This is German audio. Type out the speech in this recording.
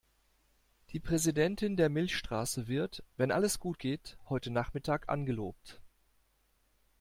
Die Präsidentin der Milchstraße wird, wenn alles gut geht, heute Nachmittag angelobt.